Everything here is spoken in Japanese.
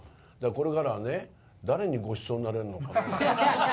これからはね、誰にごちそうになれるのかな。